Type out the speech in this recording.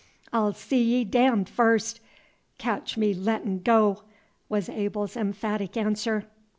"I'll see y' darned fust! Ketch me lett'n' go!" was Abel's emphatic answer.